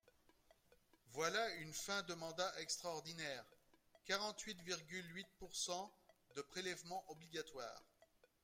Voilà une fin de mandat extraordinaire, quarante-huit virgule huit pourcent de prélèvements obligatoires.